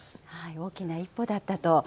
大きな一歩だったと。